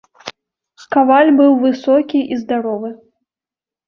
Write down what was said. Каваль быў высокі і здаровы.